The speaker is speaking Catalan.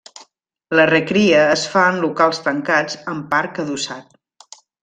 La recria es fa en locals tancats amb parc adossat.